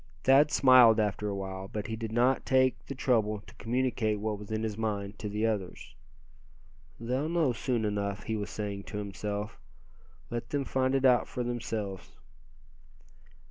Thad smiled after a while, but he did not take the trouble to communicate what was in his mind to the others. "They'll know soon enough," he was saying to himself, "let them find it out for themselves."